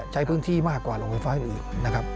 ใช้พื้นที่มากกว่าโรงไฟฟ้าอื่นนะครับ